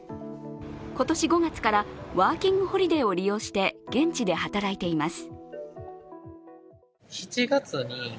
今年５月からワーキングホリデーを利用して現地で働いています。